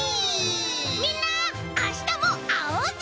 みんなあしたもあおうぜ！